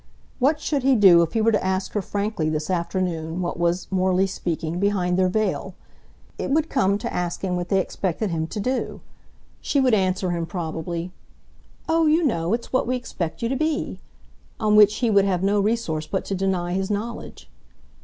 What should he do if he were to ask her frankly this afternoon what was, morally speaking, behind their veil. It would come to asking what they expected him to do. She would answer him probably: "Oh, you know, it's what we expect you to be!" on which he would have no resource but to deny his knowledge.